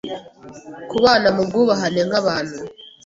kubana mu bwubahane nk’abantu